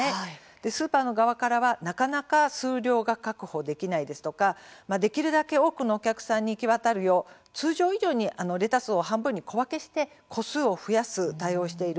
スーパーの側からはなかなか数量が確保できないですとか、できるだけ多くのお客さんに行き渡るよう、通常以上にレタスを半分に小分けして個数を増やす対応をしている。